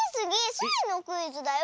スイのクイズだよ。